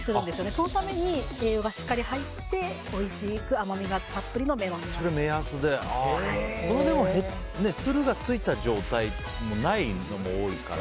そのために栄養がしっかり入っておいしく甘みのつるがついた状態じゃないのも多いから。